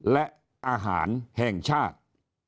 และอาหารแห่งชาติ